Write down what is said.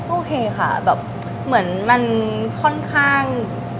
โอเคค่ะแบบเหมือนมันค่อนข้าง